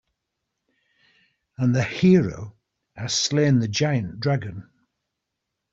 And the hero has slain the giant dragon.